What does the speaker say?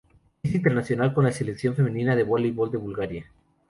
Es internacional con la Selección femenina de voleibol de Bulgaria.